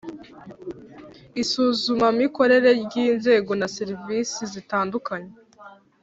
Isuzumamikore ry inzego na serivisi zitandukanye